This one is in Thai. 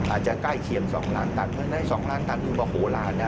อาจจะใกล้เชียง๒ล้านตัดเพราะฉะนั้น๒ล้านตัดคือหัวหลาน